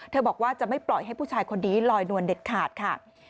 บอกว่าจะไม่ปล่อยให้ผู้ชายคนนี้ลอยนวลเด็ดขาดค่ะ